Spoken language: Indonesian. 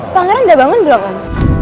pangeran udah bangun belum om